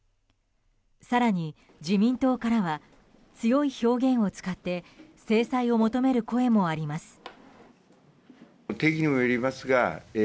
更に自民党からは強い表現を使って制裁を求める声もあります。